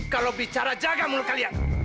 kalau bicara jaga mulut kalian